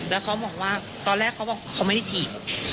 แล้วเขาบอกว่าตอนแรกเขาบอกเขาไม่ได้ถีบ